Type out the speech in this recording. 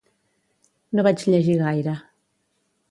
No vaig llegir gaire.